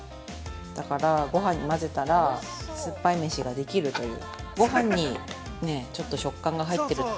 だから、ごはんに混ぜたら酸っぱい飯ができるという。